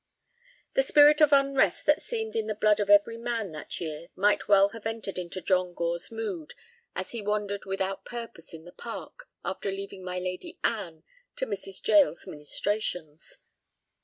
The spirit of unrest that seemed in the blood of every man that year might well have entered into John Gore's mood as he wandered without purpose in the park after leaving my Lady Anne to Mrs. Jael's ministrations.